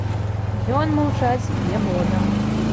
Ён маўчаць не можа.